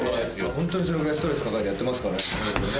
ホントそれぐらいストレス抱えてやってますからね。